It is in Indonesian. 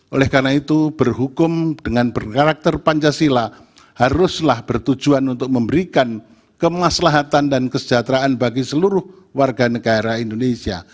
oleh karena itu berhukum dengan berkarakter pancasila haruslah bertujuan untuk memberikan kemaslahatan dan kesejahteraan bagi seluruh warga negara indonesia